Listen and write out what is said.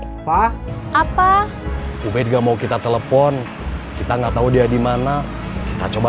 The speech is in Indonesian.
apa apa bu mega mau kita telepon kita nggak tahu dia dimana kita coba